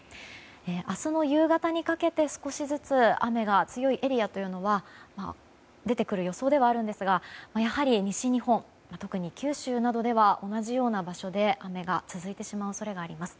明日の夕方にかけて少しずつ雨が強いエリアが出てくる予想ではあるんですがやはり西日本特に九州などでは同じような場所で雨が続いてしまう恐れがあります。